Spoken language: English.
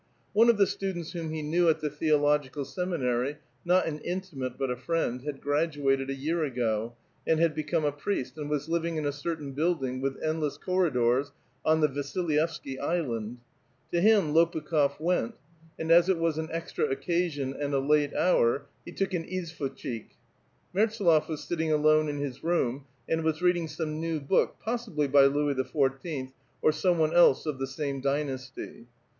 One of title students whom he knew at the theolojjical seminary — not ai.li intimate, but a friend — had graduated a year apjo and had I'^ecome a priest, and was living in a certain building with endless corridors on the Vasilyevsky Island. To him Lopu kh6f went, and as it was an extra occasion and a late hour, lie took an izooahchik, Mertsdlof was sitting alone in his room, and was reading Bome n3w book — possibly by Louis XIV., or some one else of the same dynasty.